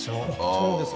そうです